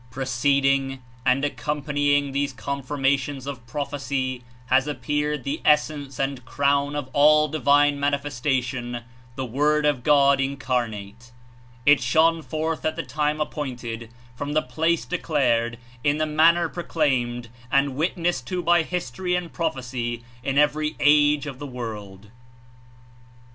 Preceding and accompanying these confirmations 46 of prophecy has appeared the Essence and Crown of all divine manifestation, the Word of God Incarnate. It shone forth at the time appointed, from the place declared, In the manner proclaimed and witnessed to by history and prophecy In every age of the world.